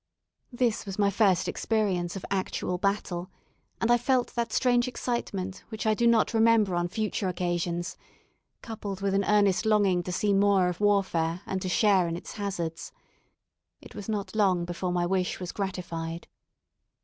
This was my first experience of actual battle, and I felt that strange excitement which I do not remember on future occasions, coupled with an earnest longing to see more of warfare, and to share in its hazards. It was not long before my wish was gratified.